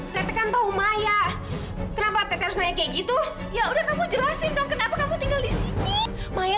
tekan tahu maya kenapa terus kayak gitu ya udah kamu jelasin kan kenapa kamu tinggal di sini maya